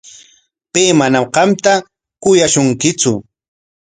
Pay manam qamta kuyashunkitsu.